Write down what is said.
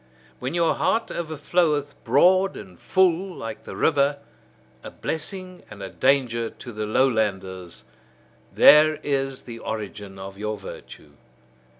When your heart overfloweth broad and full like the river, a blessing and a danger to the lowlanders: there is the origin of your virtue.